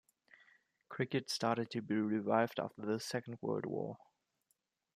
Cricket started to be revived after the Second World War.